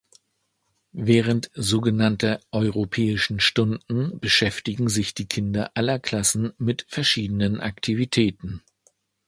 Während so genannter Europäischen Stunden, beschäftigen sich die Kinder aller Klassen mit verschiedenen Aktivitäten.